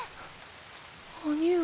兄上。